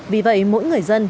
vì vậy mỗi người dân